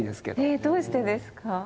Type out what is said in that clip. えっどうしてですか？